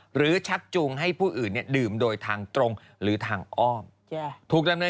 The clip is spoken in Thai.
หรือชักจุงให้ผู้อื่นดื่มโดยทางตรงหรือทางอ้อม